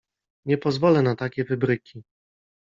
Nie pozwolę na takie wybryki.